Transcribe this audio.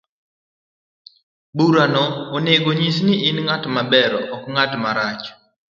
Baruano onego onyis ni in ng'at maber to ok ng'at marach.